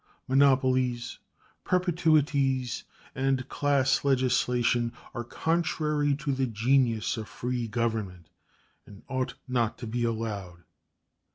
Monopolies, perpetuities, and class legislation are contrary to the genius of free government, and ought not to be allowed.